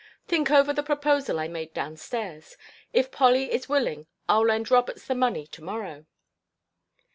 Think over the proposal I made downstairs. If Polly is willing I'll lend Roberts the money to morrow."